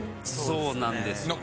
そうなんですよね。